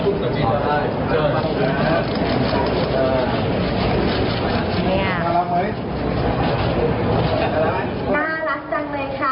น่ารักจังเลยครับ